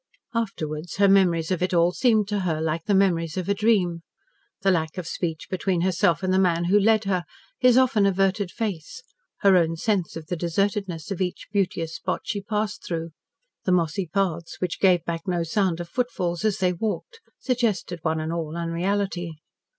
Afterwards her memories of it all seemed to her like the memories of a dream. The lack of speech between herself and the man who led her, his often averted face, her own sense of the desertedness of each beauteous spot she passed through, the mossy paths which gave back no sound of footfalls as they walked, suggested, one and all, unreality.